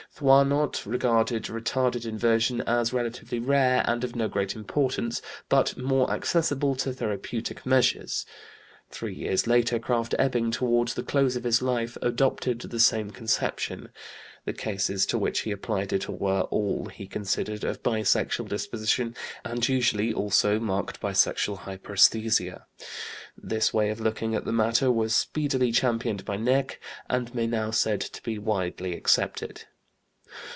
Thoinot regarded retarded inversion as relatively rare and of no great importance but more accessible to therapeutic measures. Three years later, Krafft Ebing, toward the close of his life, adopted the same conception; the cases to which he applied it were all, he considered, of bisexual disposition and usually, also, marked by sexual hyperesthesia. This way of looking at the matter was speedily championed by Näcke and may now be said to be widely accepted.